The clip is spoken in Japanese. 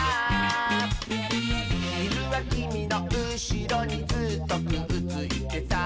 「ひるはきみのうしろにずっとくっついてさ」